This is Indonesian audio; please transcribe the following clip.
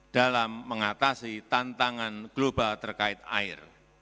dalam mengatasi tantangan global terkait air